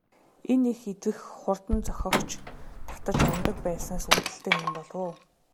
Энэ их идэвх хурд нь зохиогч татаж унадаг байснаас үүдэлтэй юм болов уу?